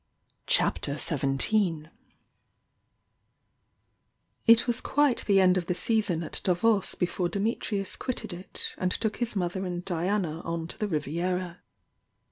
CHAPTER XVII It was quite the end of the season at Davos before Dimitrius quitted it and took his mother and Diana on to the Riviera.